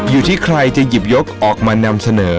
อยู่ที่ใครจะหยิบยกออกมานำเสนอ